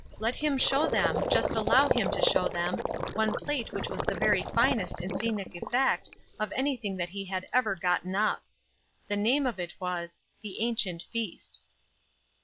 Let him show them, just allow him to show them, one plate which was the very finest in scenic effect of anything that he had ever gotten up. The name of it was "The Ancient Feast."